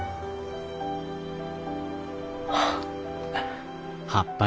はあ。